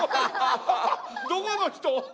どこの人？